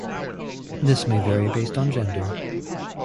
This may vary based on gender